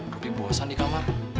bukit puasan di kamar